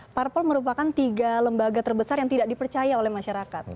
parpol merupakan tiga lembaga terbesar yang tidak dipercaya oleh masyarakat